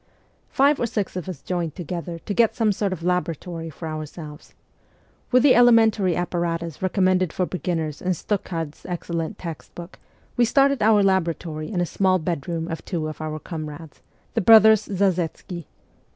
Five or six of us joined together to get some sort of laboratory for ourselves. With the elementary appa THE CORPS OF PAGES 135 ratus recommended for beginners in Stockhardt's excellent text book we started our laboratory in a small bedroom of two of our comrades, the brothers Zas6tsky.